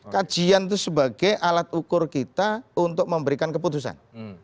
kajian itu sebagai alat ukur kita untuk memberikan keputusan